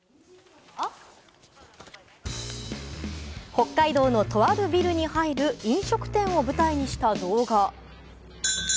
北海道のとあるビルに入る飲食店を舞台にした動画。